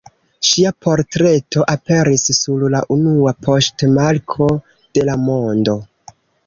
Ŝia portreto aperis sur la unua poŝtmarko de la mondo.